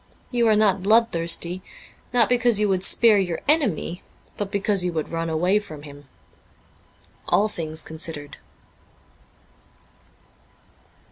You are not bloodthirsty, not because you would spare your enemy, but because you would run away from him.' ' All Things Considered.'